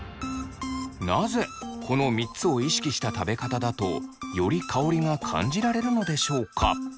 なぜこの３つを意識した食べ方だとより香りが感じられるのでしょうか？